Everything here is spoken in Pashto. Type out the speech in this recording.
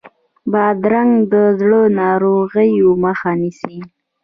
بادرنګ د زړه ناروغیو مخه نیسي.